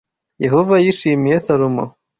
Yehova yishimiye Salomo